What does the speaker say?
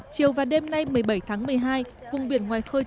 chiều và đêm nay một mươi bảy tháng một mươi hai vùng biển ngoài khu vực